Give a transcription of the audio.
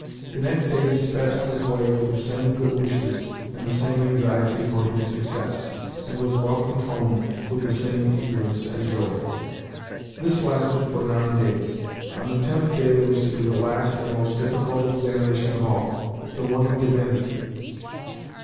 The next day, he sped on his way with the same good wishes and the same anxiety for his success, and was welcomed home with the same eagerness and joy. This lasted for nine days. On the tenth day there was to be the last and most difficult examination of all—the one in divinity.